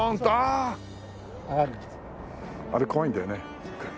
あれ怖いんだよね。